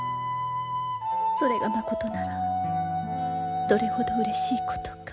それがまことならどれほどうれしいことか。